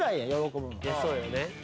そうよね